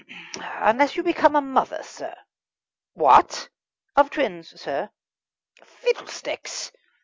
"Unless you become a mother, sir!" "What?" "Of twins, sir." "Fiddlesticks!"